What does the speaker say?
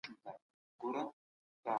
کوربه هیواد مالي مرسته نه کموي.